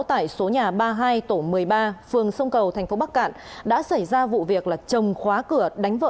tại số nhà ba mươi hai tổ một mươi ba phường sông cầu thành phố bắc cạn đã xảy ra vụ việc là chồng khóa cửa đánh vợ